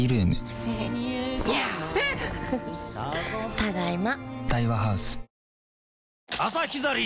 ただいま。